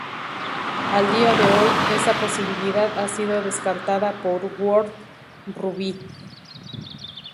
A día de hoy, esa posibilidad ha sido descartada por World Rugby.